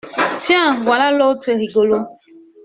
Tiens, voilà l'autre rigolo!